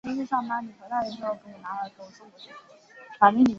工人革命潮流是西班牙的一个托洛茨基主义组织。